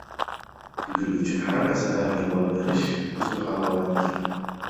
Gul uchun ham asalariga bol berish — huzur-halovatdir.